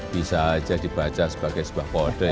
bisa aja dibaca sebagai sebuah kode